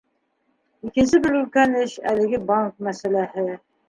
Икенсе бер өлкән эш — әлеге банк мәсьәләһе.